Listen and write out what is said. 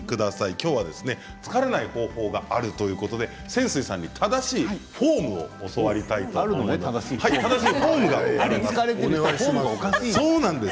今日は疲れない方法があるということで泉水さんに正しいフォームを教わりたいと思います。